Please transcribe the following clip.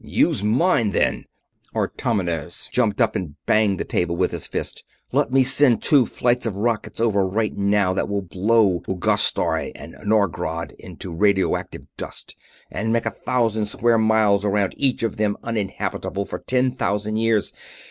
"Use mine, then!" Artomenes jumped up and banged the table with his fist. "Let me send two flights of rockets over right now that will blow Uigharstoy and Norgrad into radioactive dust and make a thousand square miles around each of them uninhabitable for ten thousand years!